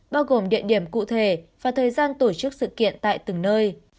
bao gồm địa điểm cụ thể và thời gian tổ chức sự kiện tại từng nơi